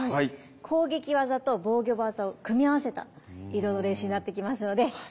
攻撃技と防御技を組み合わせた移動の練習になってきますので。